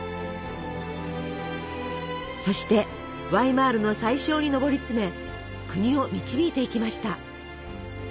そしてワイマールの宰相に上り詰め国を導いていきました。